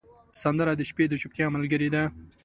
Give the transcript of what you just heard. سندره د شپې د چوپتیا ملګرې ده